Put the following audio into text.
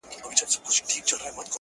هغه ښکلې نجلۍ نسته مور منګی نه ورکوینه!.